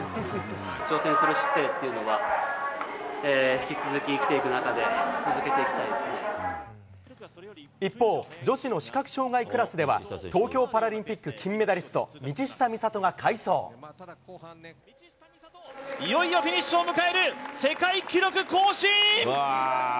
挑戦する姿勢っていうのは、引き続き生きていく中で続けてい一方、女子の視覚障がいクラスでは、東京パラリンピック金メダリスト、いよいよフィニッシュを迎える、世界記録更新。